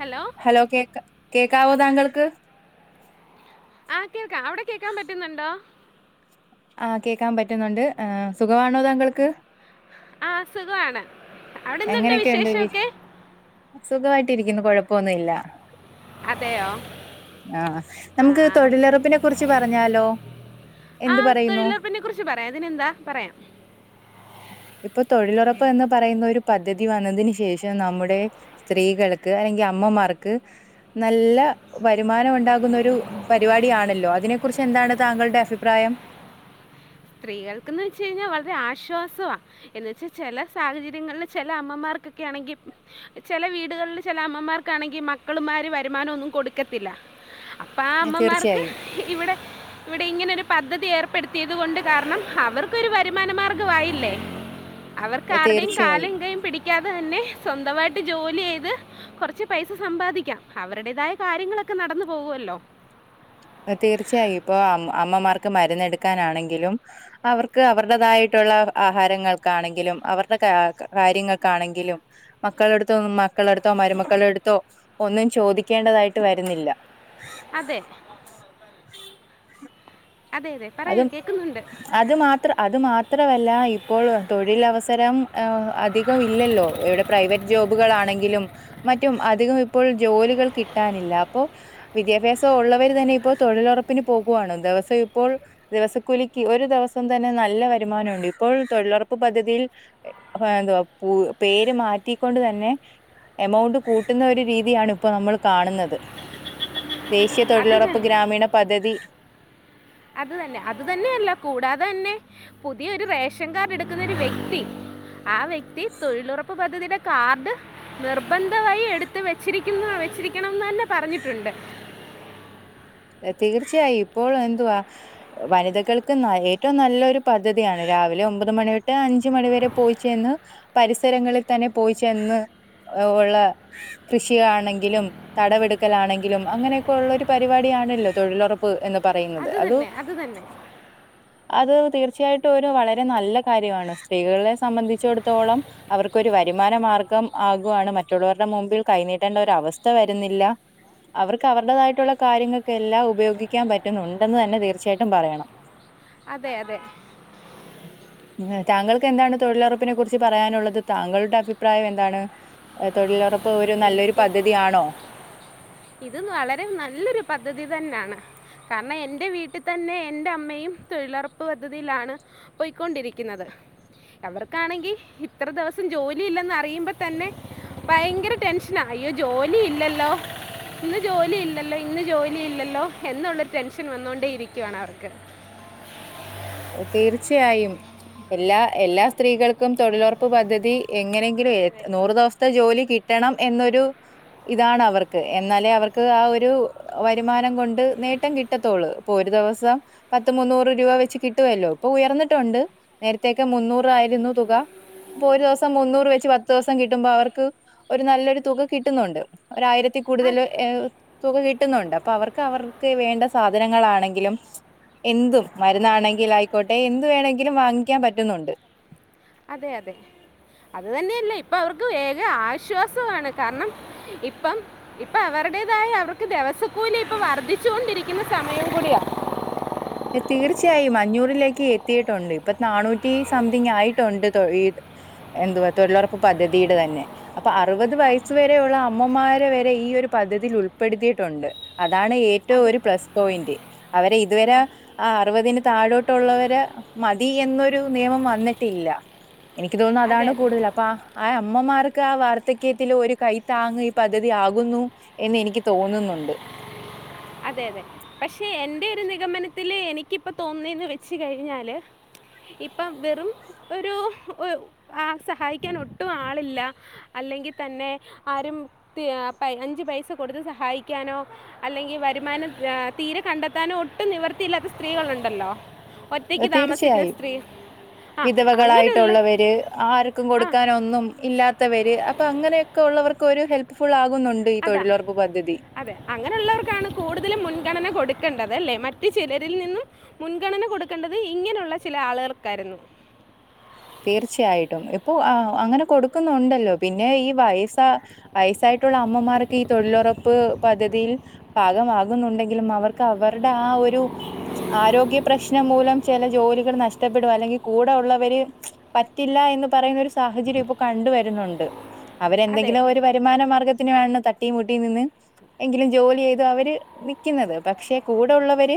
Hello. Hello കേക്ക് കേക്കാവോ താങ്കൾക്ക്? ആഹ് കേൾക്കാം അവടെ കേക്കാൻ പറ്റുന്നുണ്ടോ? ആഹ് കേയ്ക്കാൻ പറ്റുന്നുണ്ട് ആഹ് സുഖവാണോ താങ്കൾക്ക്? ആഹ് സുഖവാണ് അവടെന്ത്‌ണ്ട് വിശേഷോക്കെ? സുഖവായിട്ടിരിക്കുന്നു കൊഴപ്പൊന്നു ഇല്ലാ. അതെയോ. ആഹ് ആ ഞമ്മക്ക് തൊഴിലൊറപ്പിനെ കുറിച്ച് പറഞ്ഞാലോ. എന്ത് ആഹ് പറയുന്നു തൊഴിലൊർപ്പിനെ കുറിച്ച് പറയാം അതിനെന്താ പറയാം. ഇപ്പൊ തൊഴിലൊറപ്പ് എന്ന് പറയുന്ന ഒര് പദ്ധതി വന്നതിന് ശേഷം നമ്മുടെ സ്ത്രീകൾക്ക് അല്ലെങ്കി അമ്മമാർക്ക് നല്ല വരുമാനം ഒണ്ടാകുന്ന ഒരു പരിപാടിയാണല്ലോ അതിനെ കുറിച്ച് എന്താണ് താങ്കൾടെ അഭിപ്രായം? സ്ത്രീകൾക്ക്ന്ന് വെച്ച് കയ്ഞ്ഞാ വളരെ ആശ്വാസവാ. എന്നുവച്ച് ചെല സാഹചര്യങ്ങൾല് ചെല അമ്മമാർക്കൊക്കെ ആണെങ്കി ചെല വീടുകൾല് ചെല അമ്മമാർക്കാണെങ്കി മക്കളുമാര് വരുമാനം ഒന്നും കൊടുക്കത്തില്ല. അപ്പ ആ അമ്മമാർക്ക് തീർച്ചയായും ഇവിടെ ഇവിടെ ഇങ്ങനെരു പദ്ധതി ഏർപ്പെടുത്തിയത് കൊണ്ട് കാര്ണം അവർക്കരു വരുമാന മാർഗ ആയില്ലേ അവർക്ക് ആര്ടേം തീർച്ചയായും കാലും കയും പിടി ക്കാതെ തന്നെ സ്വന്തമായിട്ട് ജോലിയ്ത് കൊർച്ച് പൈസ സമ്പാദിക്കാം അവരുടേതായ കാര്യങ്ങളൊക്കെ നടന്നു പോവുല്ലോ. തീർച്ചയായും ഇപ്പൊ അമ്മ അമ്മമാർക്ക് മരുന്നെടുക്കാനാണെങ്കിലും അവർക്ക് അവരുടേതായിട്ടുള്ള ആഹാരങ്ങൾക്കാണെങ്കിലും അവര്ടെ കാ കാര്യങ്ങൾക്കാണെങ്കിലും മക്കളെട്ത്തോ മക്കളെട്ത്തോ മരുമക്കളട്ത്തോ ഒന്നും ചോദിക്കേണ്ടതായിട്ട് വരുന്നില്ല. അതെ. [inaudible] അതെ അതെ. പറയൂ അതും കേൾക്കുന്നുണ്ട് അത് മാത്ര അത് മാത്രവല്ലാ ഇപ്പോൾ തൊഴിലവസരം അധികം ഇല്ലല്ലോ എവിടെ പ്രൈവറ്റ് ജോബുകളൾ ആണെങ്കിലും മറ്റും അധികം ഇപ്പോൾ ജോലികൾ കിട്ടാനില്ല അപ്പോ വിദ്യാഭ്യാസം ഒള്ളവര് തന്നെ ഇപ്പോ തൊഴിലൊറപ്പിന് പോകുവാണ് ദിവസം പ്പോൾ ദിവസക്കൂലിക്ക് ഒരു ദിവസം തന്നെ നല്ല വരുമാനണ്ട് ഇപ്പോൾ തൊഴിലൊറപ്പ് പദ്ധതിയിൽ എന്തുവാ പു പേര് മാറ്റിക്കൊണ്ട് തന്നെ എമൗണ്ട് കൂട്ടുന്ന ഒരു രീതിയാണ് ഇപ്പോ നമ്മൾ കാണുന്നത്. ദേശീയ അത് തൊഴിലുറപ്പ് തന്നെ ഗ്രാമീണ പദ്ധതി. അത് തന്നെ അത് തന്നെയല്ലാ കൂടാതെ തന്നെ പുതിയ ഒരു റേഷൻ കാർഡ് എടുക്കുന്ന ഒരു വ്യക്തി. ആഹ് വ്യക്തി തൊഴിലുറപ്പ് പദ്ധതിയുടെ കാർഡ്. നിർബന്ധമായി എടുത്തു വെച്ചിരിക്കുന്നു വെച്ചിരിക്കണംന്ന് തന്നെ പറഞ്ഞിട്ടുണ്ട്. തീർച്ചയായും ഇപ്പോഴും എന്തുവാ. വനിതകൾക്ക് ഏറ്റവും നല്ലൊരു പദ്ധതിയാണ് രാവിലെ ഒമ്പത് മണി തൊട്ട് അഞ്ച് മണി വരെ പോയിച്ചെന്ന്. പരിസരങ്ങളിൽ തന്നെ പോയിച്ചെന്ന് ഉള്ള. കൃഷിയാണെങ്കിലും തടവെടുക്കലാണെങ്കിലും അങ്ങനെയൊക്കെ ഉള്ള ഒരു പരിപാടിയാണ്. തൊഴിലുറപ്പ് എന്ന് പറയുന്നത് അത്. അത് തീർച്ചയായിട്ടും ഒരു വളരെ നല്ല കാര്യമാണ് സ്ത്രീകളെ സംബന്ധിച്ചിടത്തോളം. അവർക്കൊരു വരുമാന മാർഗം ആകുവാണ് മറ്റുള്ളവരുടെ മുമ്പിൽ കൈനീട്ടേണ്ട ഒരവസ്ഥ വരുന്നില്ല. അവർക്ക് അവരുടേതായിട്ടുള്ള കാര്യങ്ങൾ. എല്ലാം ഉപയോഗിക്കാൻ പറ്റുന്നുണ്ടെന്ന് തന്നെ തീർച്ചയായിട്ടും പറയണം. അതെ അതെ. ഉം. ഉം താങ്കൾക്ക് എന്താണ് തൊഴിലുറപ്പിനെ കുറിച്ച് പറയാനുള്ളത് താങ്കളുടെ അഭിപ്രായം എന്താണ്. തൊഴിലുറപ്പ് ഒരു നല്ലൊരു എനിക്ക് പദ്ധതിയാണോ. ഇത് വളരെ നല്ലൊരു പദ്ധതി തന്നാണ്. കാരണം എന്റെ വീട്ടിൽ തന്നെ എന്റെ അമ്മയും തൊഴിലുറപ്പ് പദ്ധതിയിലാണ്. പോയ്ക്കൊണ്ടിരിക്കുന്നത്. അവർക്കാണെങ്കിൽ ഇത്ര ദിവസം ജോലി ഇല്ലെന്ന് അറിയുമ്പോ തന്നെ. ഭയങ്കര ടെൻഷനാ അയ്യോ ജോലി ഇല്ലല്ലോ. ഇന്ന് ജോലി ഇല്ലല്ലോ ഇന്ന് ജോലി ഇല്ലല്ലോ എന്നുള്ളൊരു ടെൻഷൻ വന്നോണ്ടേ ഇരിക്കുവാണ് അവർക്ക്. തീർച്ചയായും എല്ലാ എല്ലാ സ്ത്രീകൾക്കും തൊഴിലുറപ്പ് പദ്ധതി. എങ്ങനെങ്കിലും നൂറ് ദിവസത്തെ ജോലി കിട്ടണം എന്നൊരു. ഇതാണ് അവർക്ക് എന്നാലേ അവർക്ക് ആഹ് ഒരു. വരുമാനം കൊണ്ട് നേട്ടം കിട്ടത്തോളൂ ഇപ്പൊ ഒരു ദിവസം പത്ത് മുന്നൂറ് രൂപ വെച്ച് കി കിട്ടുവല്ലോ ഇപ്പൊ ഉയർന്നിട്ടുണ്ട് നേരത്തൊക്കെ മുന്നൂറ് ആയിരുന്നു തുക. ഇപ്പൊ ഒരു ദിവസം മുന്നൂറ് വെച്ച് പത്ത് ദിവസം കിട്ടുമ്പോ അവർക്ക്. ഒരു നല്ലൊരു തുക കിട്ടുന്നുണ്ട് ഒരായിരത്തിൽ ആ കൂടുതൽ ഏഹ് തുക കിട്ടുന്നുണ്ട് അപ്പൊ അവർക്ക് അവർക്ക് വേണ്ട സാധനങ്ങളാണെങ്കിലും. എന്തും മരുന്നാണെങ്കിലും ആയിക്കോട്ടെ എന്ത് വേണെങ്കിലും വാങ്ങിക്കാൻ പറ്റുന്നുണ്ട് അതെ അതെ അത് തന്നെയല്ല ഇപ്പൊ അവർക്ക് വേഗം ആശ്വാസമാണ് കാരണം ഇപ്പം ഇപ്പൊ അവരുടേതായ അവർക്ക് ദെവസക്കൂലി ഇപ്പൊ വർദ്ധിച്ചുകൊണ്ടിരിക്കുന്ന സമയം കൂടിയാണ് തീർച്ചയായും അഞ്ഞൂറിലേക്ക് എത്തിയിട്ടുണ്ട് ഇപ്പൊ നാനൂറ്റി സംതിങ് ആയിട്ടുണ്ട് തൊഴി ഈ എന്തുവാ തൊഴിലുറപ്പ് പദ്ധതിയുടെ തന്നെ അപ്പൊ അറുപത് വയസ്സ് വരെയുള്ള അമ്മമാര് വരെ ഈ ഒരു പദ്ധതിയിൽ ഉൾപ്പെടുത്തിയിട്ടുണ്ട് അതാണ് ഏറ്റവും അതെ ഒരു പ്ലസ് പോയിന്റ് അവരെ ഇതുവരെ ആഹ് അറുപതിന് താഴോട്ടുള്ളവര് മതി എന്നൊരു നിയമം വന്നിട്ടില്ല എനിക്ക് തോന്നുന്നു അതെ അതാണ് അതെ കൂടുതൽ അ അപ്പൊ ആഹ് അമ്മമാർക്ക് ആഹ് വാർദ്ധ്യക്യത്തിൽ ഒരു കൈ താങ്ങ് ഈ പദ്ധതി ആകുന്നു എന്ന് എനിക്ക് തോന്നുന്നുണ്ട് അതെ അതെ പക്ഷെ എന്റെ ഒരു നിഗമനത്തില് എനിക്കിപ്പോ തോന്നുന്നേന്ന് വെച്ച് കഴിഞ്ഞാല് ഇപ്പം വെറും ഒരു ആഹ് സഹായിക്കാൻ ഒട്ടും ആളില്ല അല്ലെങ്കിൽ തന്നെ ആരും പ അഞ്ച് പൈസ കൊടുത്ത് സഹായിക്കാനോ അല്ലെങ്കിൽ വരുമാനം തീരെ കണ്ടെത്താനോ ഒട്ടും നിവർത്തിയില്ലാത്ത സ്ത്രീകളുണ്ടല്ലോ ഒറ്റക്ക് താമസിക്കുന്ന തീർച്ചയായും സ്ത്രീ ആ അങ്ങനെയുള്ള വിധവകളായിട്ടുള്ളവര് ആർക്കും ആ കൊടുക്കാനൊന്നും ഇല്ലാ ത്തവര് അപ്പൊ അങ്ങനെയൊക്കെ ഉള്ളവർക്ക് ഒരു ഹെൽപ് ഫുൾ ആകുന്നുണ്ട് ഈ അതാ തൊഴിലുറപ്പ് പദ്ധതി അതെ അങ്ങനെ ഉള്ളവർക്കാണ് കൂടുതലും മുൻഗണന കൊടുക്കേണ്ടത് അല്ലേ മറ്റ് ചിലരിൽ നിന്നും മുൻഗണന കൊടുക്കേണ്ടത് ഇങ്ങനെയുള്ള ചില ആളുകൾക്കായിരുന്നു തീർച്ചയായിട്ടും ഇപ്പൊ അങ്ങനെ കൊടുക്കുന്നുണ്ടല്ലോ പിന്നെ ഈ വയസാ വയസ്സായിട്ടുള്ള അമ്മമാർക്ക് ഈ തൊഴിലുറപ്പ് പദ്ധതിയിൽ ഭാഗമാകുന്നുണ്ടെങ്കിലും അവർക്ക് അവരുടെ ആ ഒരു ആരോഗ്യ പ്രശ്നം മൂലം ചില ജോലികൾ നഷ്ടപ്പെടും അല്ലെങ്കിൽ കൂടെ ഉള്ളവര് പറ്റില്ല എന്ന് പറയുന്ന ഒരു സാഹചര്യം ഇപ്പൊ കണ്ടുവരുന്നുണ്ട് അതെ അവരെന്തെങ്കിലും ഒരു വ രുമാന മാർഗത്തിനായി ആണ് തട്ടിയും മുട്ടിയും നിന്ന് എങ്കിലും ജോലി ചെയ്ത് അവര് നിക്കുന്നത് പക്ഷെ കൂടെ ഉള്ളവര്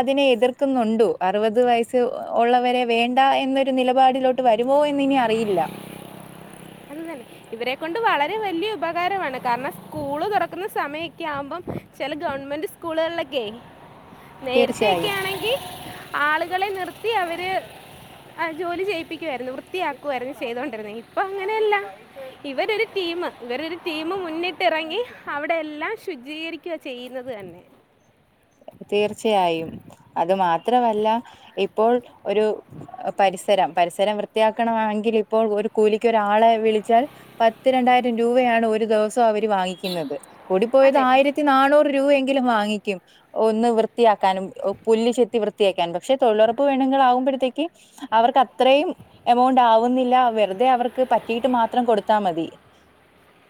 അതിനെ എതിർക്കുന്നുണ്ട് അറുപത് വയസ്സ് ഉള്ളവരെ വേണ്ട എന്നൊരു നില പാടിലോട്ട് വരുവോ എന്ന് ഇനി അറിയില്ല അത് തന്നെ ഇവരെ കൊണ്ട് വളരെ വല്ല്യ ഉപകാരവാണ് കാരണം സ്കൂള് തുറക്കുന്ന സമയൊക്കെ ആകുമ്പം ചില ഗവൺമെന്റ് സ്കൂളുകളിലൊക്കെയെ നേരത്തെ തീർച്ചയായും ഒക്കെ ആണെങ്കിൽ ആളുകളെ നിർത്തി അവര് ആഹ് ജോലി ചെയ്യിപ്പിക്കുവാരുന്നു വൃത്തിയാക്കുവാരുന്നു ചെയ്തോണ്ടിരുന്നെ ഇപ്പൊ അങ്ങനെയല്ല [inaudible] ഇവരൊരു ടീമ് ഇവരൊരു ടീമ് മുന്നിട്ടിറങ്ങി അവിടെയെല്ലാം ശുചീകരിക്കുക ചെയ്യുന്നത് തന്നെ തീർച്ചയായും അത് മാത്രം അല്ല ഇപ്പോൾ ഒരു പരിസരം പരിസരം വൃത്തിയാക്കണം എങ്കിൽ ഇപ്പോൾ ഒരു കൂലിക്ക് ഒരാളെ വിളിച്ചാൽ പത്ത് രണ്ടായിരം രൂപയാണ് ഒരു ദിവ സം അവര് വാങ്ങിക്കുന്നത് കൂടി പോയത് അതെ ആയിരത്തി നാനൂറ് രൂപയെങ്കിലും വാങ്ങിക്കും ഒന്ന് വൃ ത്തിയാക്കാനും പുല്ല് ചെത്തി വൃത്തിയാക്കാനും പക്ഷെ തൊഴിലുറപ്പ് പെണ്ണുങ്ങൾ ആകുമ്പഴത്തേക്ക് അവർക്ക് അത്രയും എമൗണ്ട് ആവുന്നില്ല വെറു തെ അവർക്ക് പറ്റീട്ട് മാത്രം കൊടുത്താൽ മതി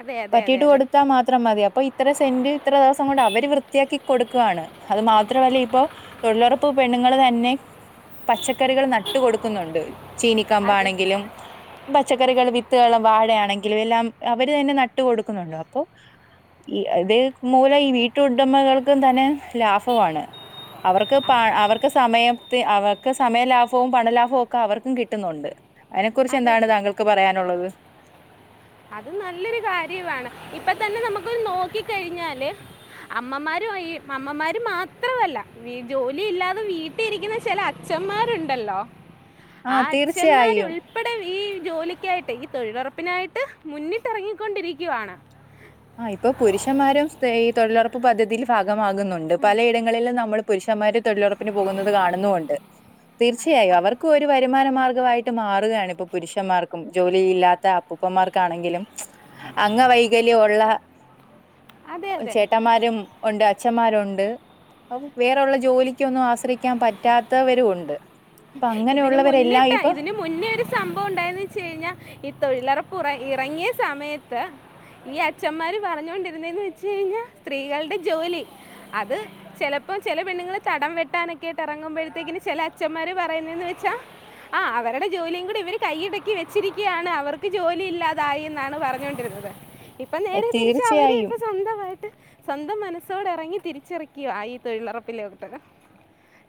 അതെ അതെ അതെ പറ്റീട്ട് അതെ കൊടുത്താ മാത്രം മതി അപ്പൊ ഇ ത്ര സെന്റ് ഇത്ര ദിവസം കൊണ്ട് അവര് വൃത്തിയാക്കി കൊടുക്കുവാണ് അത് മാത്രവല്ല ഇപ്പൊ തൊഴിലുറപ്പ് പെണ്ണുങ്ങള് തന്നെ പച്ചക്കറികൾ നട്ട് കൊടുക്കുന്നുണ്ട് ചീനിക്കമ്പ് അതെ ആണെങ്കിലും പച്ചക്കറികൾ വിത്തുകളും വാഴയാണെങ്കിലും എല്ലാം അവര് തന്നെ നട്ടു കൊടുക്കുന്നുണ്ട് അപ്പൊ ഈ ഇത് മൂലം ഈ വീട്ടുടമകൾക്കും തന്നെ ലാഭവാണ് അവർക്ക് പ അവർക്ക് സമയത്തി അവർക്ക് സമയ ലാഭവും പണലാഭവും ഒക്കെ അവർക്കും കിട്ടുന്നുണ്ട് അതിനെക്കുറിച്ച് അതെ എന്താണ് അതെ താങ്കൾക്ക് പറയാനുള്ളത് അത് നല്ലൊരു കാര്യവാണ് ഇപ്പത്തന്നെ നമുക്കൊന്ന് നോക്കി കഴിഞ്ഞാല് അമ്മമാരും ഈ അമ്മമാര് മാത്രവല്ല വീ ജോലിയില്ലാതെ വീ ട്ടിലിരിക്കുന്ന ചില അച്ഛന്മാരുണ്ടല്ലോ [unintelligible] ആഹ് അച്ഛന്മാര് തീർച്ചയായും ഉൾ ഇവിടെ ഈ ജോലിക്കായിട്ട് ഈ തൊഴിലുറപ്പിനായിട്ട് മുന്നിട്ട് എറങ്ങിക്കൊണ്ടിരിക്കുവാണ് ആഹ് ഇപ്പൊ പുരുഷന്മാരും സയ് തൊഴിലുറപ്പ് പദ്ധതിയിൽ ഭാഗമാകുന്നുണ്ട് പലയിടങ്ങളിലും നമ്മള് പുരുഷന്മാര് തൊഴിലുറപ്പിന് പോകുന്നത് കാണുന്നുമുണ്ട് തീർച്ചയായും അവർക്കും ഒരു വരുമാനമാർഗമായിട്ട് മാറുകയാണ് ഇപ്പൊ പുരുഷന്മാർക്കും ജോലിയില്ലാത്ത ഉപ്പമാർക്കാണെങ്കിലും അംഗവൈകല്യ ല്യ ഉള്ള അതെ അതെ ചേട്ടന്മാരും ഉണ്ട് അച്ഛന്മാരും ഉണ്ട് വേറെ ഉള്ള ജോലിക്കൊന്നും ആശ്രയിക്കാൻ പറ്റാത്തവരും ഉണ്ട് അപ്പ ഇതിന് അങ്ങനെയുള്ളവരെല്ലാം മുന്നിട്ട് ഇപ്പൊ ഇതിന് മുന്നേ ഒരു സംഭവം ഉണ്ടായന്ന് വെച്ച് കഴിഞ്ഞാ ഈ തൊഴിലറപ്പ് ഉറ ഇറങ്ങിയ സമയത്ത് ഈ അച്ഛന്മാര് പറഞ്ഞുകൊണ്ടിരുന്നേന്ന് വെച്ച് കഴിഞ്ഞാ സ്ത്രീകളുടെ ജോലി അത് ചെലപ്പോ ചെല പെണ്ണുങ്ങള് തടം വെട്ടാനൊക്കെയ്ട്ട് എറങ്ങുമ്പഴത്തേക്ക്‌ന് ചെല അഛന്മാര് പർ യുന്നേന്ന് വെച്ചാ ആ അവരുടെ ജോലിയും കൂടി ഇവര് കൈയിടക്കി വെച്ചിരിക്കുകയാണ് അവർക്ക് ജോലി ഇല്ലാതായി എന്നാണ് പറഞ്ഞോണ്ടിരുന്നത് ഇപ്പൊ നേരെ തിരിച്ച് അവര് തീർച്ചയായും ഇപ്പൊ സ്വന്തമായിട്ട് സ്വന്തം മനസ്സോടെ എറങ്ങി തിരിച്ചിറക്കിയോ ആ ഈ തൊഴിലുറപ്പിലോട്ട്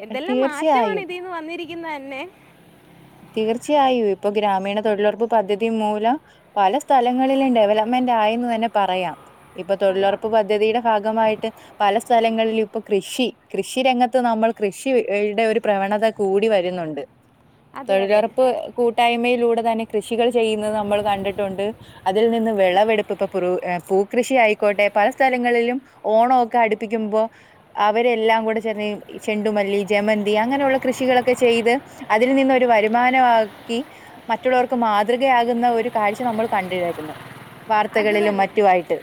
എന്തെല്ലാം തീർച്ചയായും മാറ്റമാണ് ഇതീന്ന് വന്നിരിക്കുന്നത് തന്നെ തീർച്ചയായും ഇപ്പൊ ഗ്രാമീണ തൊഴിലുറപ്പ് പദ്ധതി മൂലം പല സ്‌ സ്ഥലങ്ങളിലും ഡെവലപ്മെന്റ് ആയന്ന് തന്നെ പറയാം ഇപ്പൊ അതാ തൊഴിലുറപ്പ് പദ്ധതിയുടെ ഭാഗമായിട്ട് പല സ്ഥലങ്ങളിലും ഇപ്പൊ കൃഷി കൃഷി രംഗത്ത് നമ്മൾ കൃഷിയുടെ ഒരു പ്രവണത കൂടി വരുന്നുണ്ട് അതെ അതെ തൊഴിലുറപ്പ് കൂട്ടായ്മയിലൂടെ തന്നെ കൃഷികൾ ചെയ്യുന്നത് നമ്മൾ കണ്ടിട്ടുണ്ട് അതിൽ നിന്ന് വിളവെടുപ്പ് ഇപ്പൊപ്രൂ പൂ കൃഷിയായിക്കോട്ടെ പല സ്ഥലങ്ങളിലും ഓണം ഒക്കെ അടുപ്പിക്കുമ്പോൾ അവരെല്ലാം കൂടെ ചെ ഈ ചെണ്ടുമല്ലി, ജമന്തി, അങ്ങനെയുള്ള കൃഷികളൊക്കെ ചെയ്ത് അതിൽ നിന്ന് ഒരു ഒരു വരുമാനമാക്കി മറ്റുള്ളവർക്ക് മാതൃകയാകുന്ന ഒരു കാഴ്ച നമ്മൾ കണ്ടിരാരുന്നു അത് വാർത്തകളിലും തന്നെ മറ്റു ആയിട്ട്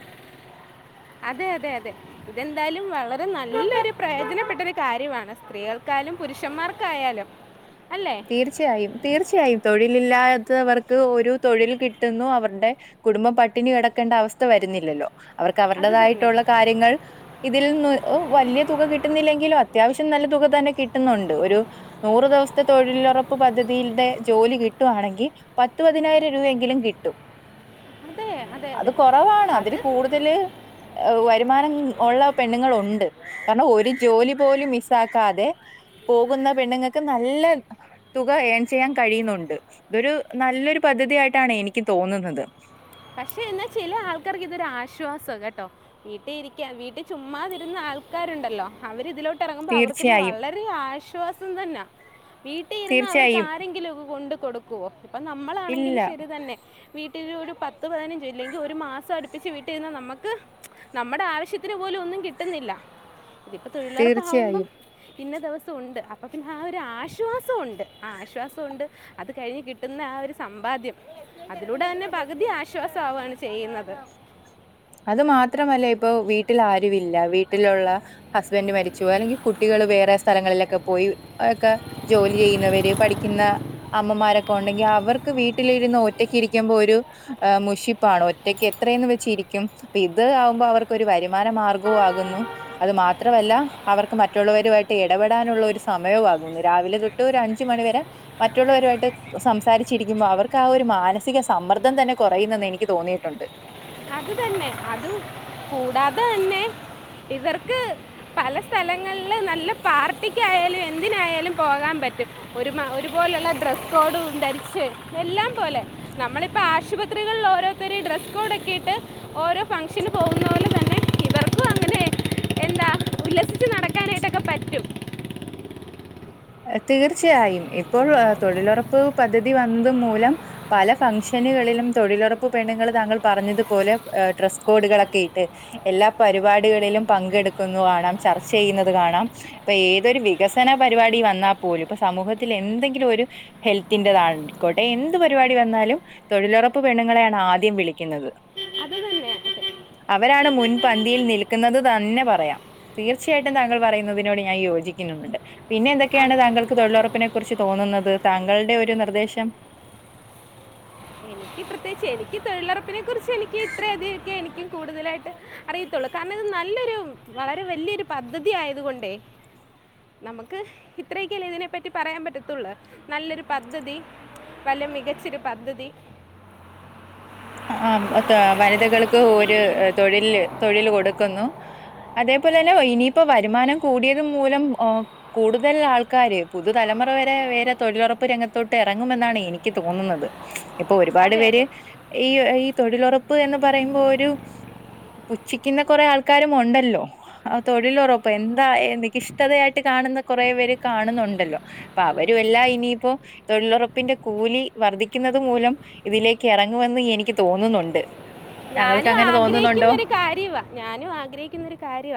അതെ അതെ അതെ ഇതെന്തായാലും വളരെ നല്ലൊരു പ്രയോജനപ്പെട്ടരു കാര്യമാണ് സ്ത്രീകൾക്കായാലും പുരുഷന്മാർക്കായാലും [inaudible] അല്ലേ തീർച്ചയായും തീർച്ചയായും തൊഴിലില്ലാത്തവർക്ക് ഒരു തൊഴിൽ കിട്ടുന്നു അവർടെ കുടുംബം പട്ടിണി കിടക്കേണ്ട അവസ്ഥ വരുന്നില്ലല്ലോ അവർക്ക് അത് തന്നെ അവരുടേതായിട്ടുള്ള കാര്യങ്ങൾ ഇതിൽ നിന്നു ഒ വല്യ തുക കിട്ടുന്നില്ലെങ്കിലും അത്യാവശ്യം നല്ല തുക തന്നെ കിട്ടുന്നുണ്ട് ഒരു നൂറ് ദിവസത്തെ തൊഴിലുറപ്പ് പദ്ധതിൽടെ ജോലി കിട്ടുവാണെങ്കി പത്ത് പതിനായിരം രൂപയെങ്കിലും കിട്ടും അതെ അതെ അത് അതെ കൊറവാണ് അതില് അത് കൂടുതല് വരുമാനം ഉള്ള പെണ്ണുങ്ങള് ഉണ്ട് കാരണം ഒരു ജോലി പോലും മിസ്സാക്കാതെ പോകുന്ന പെണ്ണുങ്ങൾക്ക് നല്ല തുക ഏൺ ചെയ്യാൻ കഴിയുന്നുണ്ട് ഇതൊരു നല്ലൊരു പദ്ധതി ആയിട്ടാണ് എനിക്ക് തോന്നുന്നത് പക്ഷെ എന്നാ ചില ആൾക്കാർക്ക് ഇതൊരു ആശ്വാസ കേട്ടോ വീട്ടി ഇരിക്കാ വീട്ടി ചുമ്മാതിരുന്ന ആൾക്കാരുണ്ടല്ലോ അവര് തിലോട്ട് ഇറങ്ങുമ്പോ അവർക്കിത് തീർച്ചയായും വളരെ ആശ്വാസം തന്നാ വീട്ടിൽ ഇരുന്ന് അവർക്ക് തീർച്ചയായും ആരെങ്കിലും ഒക്കെ കൊണ്ട് കൊടുക്കുവോ ഇപ്പൊ ഇല്ല നമ്മളാണെങ്കിലും ശരി തന്നെ വീട്ടിൽ ഒരു പത്ത് പതിനഞ്ച് ഇല്ലെങ്കിൽ ഒരു മാസം അടുപ്പിച്ച് വീട്ടിലിരുന്ന നമ്മക്ക് നമ്മുടെ ആവശ്യത്തിന് പോലും ഒന്നും കിട്ടുന്നില്ല ഇതിപ്പോ തീർച്ചയായും തൊഴിലുറപ്പാവുമ്പം ഇന്ന ദിവസം ഉണ്ട് അപ്പൊ പിന്നെ ആ ഒരു ആശ്വാസംഉണ്ട് ആ ആശ്വാസംഉണ്ട് അത് കഴിഞ്ഞ് കിട്ടുന്ന ആ ഒരു സമ്പാദ്യം അതിലൂടെ തന്നെ പകുതി ആ ശ്വാസ ആവാണ് ചെയ്യുന്നത് അത് മാത്രമല്ല ഇപ്പൊ വീട്ടിൽ ആരുവില്ല വീ വീട്ടിലുള്ള ഹസ്ബന്റ് മരിച്ച് പൊയ് അല്ലെങ്കി കുട്ടികൾ വേറെ സ്‌ സ്ഥലങ്ങളിലൊക്കെ പോയി ഒക്കെ ജോലി ചെയ്യുന്നവര് പഠിക്കുന്ന അമ്മമാരൊക്കെ ഉണ്ടെങ്കിൽ അവർക്ക് വീട്ടിലിരുന്ന് ഒറ്റക്ക് ഇരിക്കുമ്പോ ഒരു ഏഹ്, മുഷിപ്പാണോ ഒറ്റയ്ക്ക് എത്രയെന്ന് വെച്ചിരിക്കും. അപ്പൊ ഇത് ആവുമ്പോ അവർക്ക് ഒരു വരുമാന മാർഗവു ആകുന്നു അത് മാത്രമല്ല അവർക്ക് മറ്റുള്ളവരുമായിട്ട് ഇടപെടാനുള്ള ഒരു സമയവും ആകുന്നു രാവിലെ തൊട്ട് ഒരു അഞ്ച മണിവരെ മറ്റുള്ളവരുമായിട്ട് സംസാരിച്ചിരിക്കുമ്പോൾ അവർക്ക് ആ ഒരു മാനസിക സമ്മർദ്ദം തന്നെ കുറയുന്നെന്ന് എനിക്ക് തോന്നിയിട്ടുണ്ട്. അത് തന്നെ അതും കൂടാതെ തന്നെ ഇവർക്ക് പല സ്ഥലങ്ങളില് നല്ല പാർട്ടിക്കായാലും എന്തിനായാലും പോകാൻ പറ്റും. ഒരു ഒരുപോലുള്ള ഡ്രസ്സ് കോഡും ധരിച്ച് എല്ലാം പോലെ നമ്മളിപ്പോൾ ആശുപത്രികളിൽ ഓരോ ത്തരെ ഡ്രസ് കോഡ് ഒക്കെയിട്ട് ഓരോ ഫംഗ്ഷന് പോകുന്ന പോലെ തന്നെ ഇവർക്കു അങ്ങനെ എന്താ ഉല്ലസിച്ച് നടക്കാനായിട്ടൊക്കെ പറ്റും. തീർച്ചയായും ഇപ്പോഴു ഏഹ് തൊഴിലുറപ്പ് പദ്ധ തി വന്നത് മൂലം പല ഫങ്ഷനുകളിലും തൊഴിലുറപ്പ് പെണ്ണുങ്ങൾ താങ്കൾ പറഞ്ഞതുപോലെ ഡ്രസ്സ് കോഡുകളൊക്കെ ഇട്ട് എല്ലാ പരിപാടികളിലും പങ്കെടുക്കുന്നു [unintelligible] ചർച്ച ചെയ്യുന്നത് കാണാം. ഇപ്പൊ ഏതൊരു വികസന പരിപാടി വന്നാൽ പോലും ഇപ്പൊ സമൂഹത്തിൽ എന്തെങ്കിലു ഒരു ഹെൽത്തിന്റെതായിക്കോട്ടെ എന്ത് പരിപാടി വന്നാലും തൊഴിലുറപ്പ് പെണ്ണുങ്ങളെയാണ് ആദ്യം വിളിക്കുന്നത്. അത് തന്നെ [inaudible] അവരാണ് മുൻപന്തിയിൽ നിൽക്കുന്നത് തന്നെ പറയാം. തീർച്ചയായിട്ടും താങ്കൾ പറയുന്നതിനോട് ഞാൻ യോജിക്കുന്നുണ്ട്. പിന്നെ എന്തൊ ആ ക്കെയാണ് താങ്കൾക്ക് തൊഴിലുറപ്പിനെ കുറിച്ച് തോന്നുന്നത്, താങ്കളുടെ ഒരു നിർദ്ദേശം എനിക്ക് പ്രത്യേകിച്ച് എനിക്ക് തൊഴിലുറപ്പിനെ കുറിച്ച് എനിക്ക് ഇത്രയധിക ഒക്കെ എനിക്കും കൂടുതലായിട്ട് അറിയത്തുള്ളൂ, കാരണം ഇത് നല്ലൊരു വളരെ വലിയൊരു പദ്ധതി ആയത് കൊണ്ട് [inaudible] നമക്ക് ഇത്രയൊക്കെ അല്ലെ ഇതിനെ പറ്റി പറയാൻ പറ്റത്തുള്ളൂ, നല്ലൊരു പദ്ധതി, വല്ല മികച്ചൊരു പദ്ധതി. ആഹ്, ആഹ് എത്താ വനിതകൾക്ക് ഒരു ഏഹ് തൊഴില് തൊഴില് കൊടുക്കുന്നു. അതേപോലെ തന്നെ ഇനിയിപ്പോ വരുമാനം കൂടിയത് മൂലം ഓഹ്, കൂടുതൽ ആൾക്കാര് പുതുതലമുറ വരെ വേറെ തൊഴിലുറപ്പ് രംഗത്തോട്ട് ഇറങ്ങുമെന്നാണ് എനിക്ക് തോന്നുന്നത്. ഇപ്പൊ ഒരുപാട് അതെ പേര് അതെ ഈ ഈ തൊഴിലുറപ്പ് എന്ന് പറയുമ്പോ ഒരു പുച്ഛിക്കുന്ന കൊറേ ആൾക്കാരും ഉണ്ടല്ലോ? ആഹ്, തൊഴിലുറപ്പൊ എന്താ നിഖിഷ്ടതയായിട്ട് കാണുന്ന കൊറേ പേര് കാണുന്നുണ്ടല്ലോ. ഇപ്പൊ അവരു എല്ലാം ഇനിയിപ്പോ തൊഴിലുറപ്പിന്റെ കൂലി വർദ്ധിക്കുന്നുന്നത് മൂലം ഇതിലേക്ക് ഇറ ങ്ങുമെന്ന് എനിക്ക് തോന്നുന്നുണ്ട്. താങ്കൾക്ക് ഇപ്പൊ അങ്ങനെ ആഗ്രഹിക്കുന്ന തോന്നുന്നുണ്ടോ ഒരു കാര്യവാ, ഞാനും ആഗ്രഹിക്കുന്ന ഒരു കാര്യവാ.